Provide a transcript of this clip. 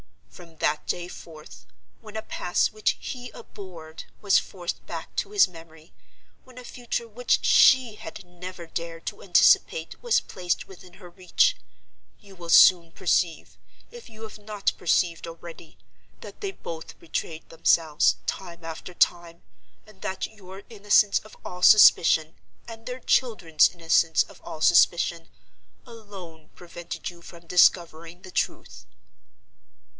From that day forth—when a past which he abhorred was forced back to his memory; when a future which she had never dared to anticipate was placed within her reach—you will soon perceive, if you have not perceived already, that they both betrayed themselves, time after time; and that your innocence of all suspicion, and their children's innocence of all suspicion, alone prevented you from discovering the truth.